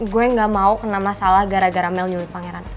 gue gak mau kena masalah gara gara melnu di pangeran